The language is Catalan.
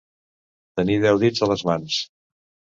Tenir deu dits a les mans.